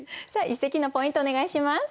一席のポイントお願いします。